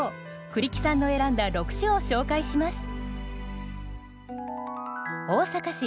栗木さんの選んだ６首を紹介します。